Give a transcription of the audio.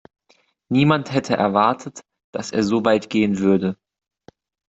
Niemand hätte erwartet, dass er so weit gehen würde.